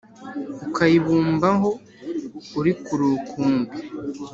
Ukayibumbaho uri rukumbi!”